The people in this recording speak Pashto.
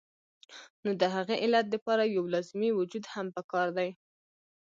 نو د هغې علت د پاره يو لازمي وجود هم پکار دے